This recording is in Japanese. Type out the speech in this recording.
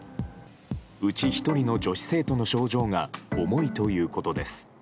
うち１人の女子生徒の症状が重いということです。